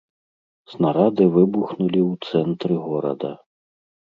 Снарады выбухнулі ў цэнтры горада.